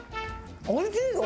おいしいよ！